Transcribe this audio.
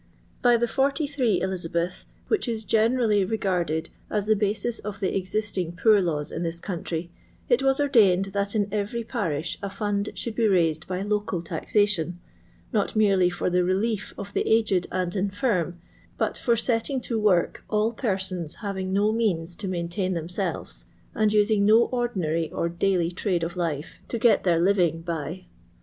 By the 43 Eliz., which is generally regarded as the basis of the existing poor laws in this country, it was ordained that in every parish a fund should be raised by local taxation, not merely for the relief of the aged and infirm, but for setting to work all persons having no vMans to maintain themsdceSf and using no ordinary or dai/y trade of life to get their living by.